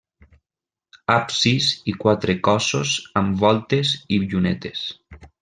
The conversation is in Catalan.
Absis i quatre cossos amb voltes i llunetes.